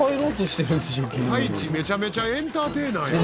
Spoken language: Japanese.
たいちめちゃめちゃエンターテイナーやん。